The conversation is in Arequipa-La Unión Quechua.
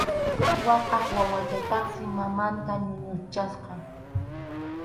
Waqaq wawachataqsi mamanta ñuñuchkasqa.